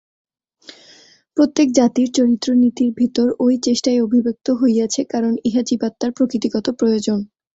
প্রত্যেক জাতির চারিত্রনীতির ভিতর ঐ চেষ্টাই অভিব্যক্ত হইয়াছে, কারণ ইহা জীবাত্মার প্রকৃতিগত প্রয়োজন।